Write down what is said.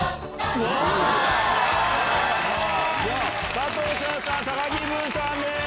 加藤茶さん高木ブーさんです！